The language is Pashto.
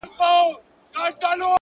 روح مي خبري وکړې روح مي په سندرو ويل ـ